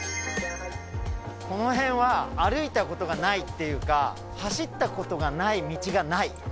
この辺は歩いたことがないっていうか走ったことがない道がない。